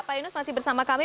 pak yunus masih bersama kami